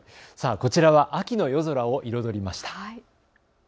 こちらは秋の夜空を彩りました。